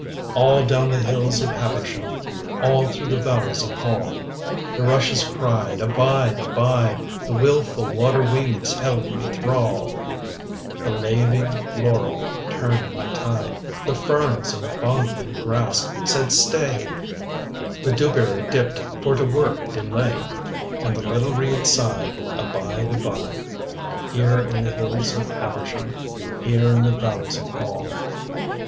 All down the hills of Habersham, All through the valleys of Hall, The rushes cried, "Abide, abide," The wilful water weeds held me thrall, The laving laurel turned my tide, The ferns and the fondling grass said, "Stay," The dewberry dipped for to work delay, And the little reeds sighed, "Abide, abide," Here in the hills of Habersham, Here in the valleys of Hall.